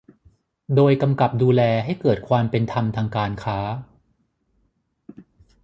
โดยกำกับดูแลให้เกิดความเป็นธรรมทางการค้า